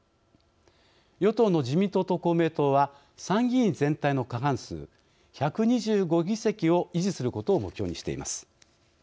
与党の自民党と公明党は参議院全体の過半数１２５議席を維持することを目標にしています。